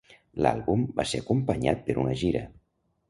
L'àlbum va ser acompanyat per una gira.